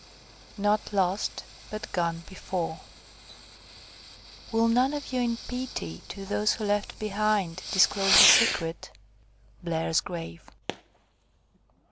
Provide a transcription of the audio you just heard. NOT LOST, BUT GONE BEFORE "—Will none of you in pity To those you left behind, disclose the secret?" BLAIR'S GRAVE.